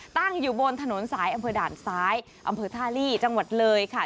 ตั้งอยู่บนถนนสายอำเภอด่านซ้ายอำเภอท่าลีจังหวัดเลยค่ะ